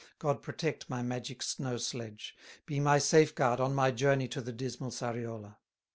God protect my magic snow sledge, Be my safeguard on my journey To the dismal Sariola!"